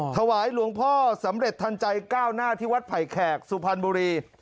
ถวายหลวงพ่อสำเร็จทันใจก้าวหน้าที่วัดไผ่แขกสุพรรณบุรี